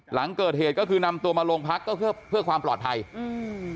หลังเกิดเหตุก็คือนำตัวมาโรงพักก็เพื่อเพื่อความปลอดภัยอืม